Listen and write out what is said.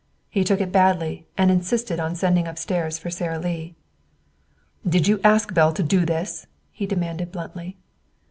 He took it badly and insisted on sending upstairs for Sara Lee. "Did you ask Belle to do this?" he demanded bluntly.